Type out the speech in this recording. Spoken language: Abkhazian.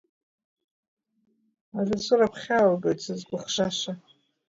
Аҵәыҵәыра гәхьаалгоит сызкәыхшаша…